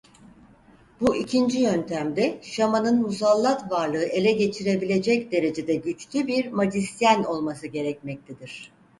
Bu ikinci yöntemde şamanın musallat varlığı ele geçirebilecek derecede güçlü bir majisyen olması gerekmektedir.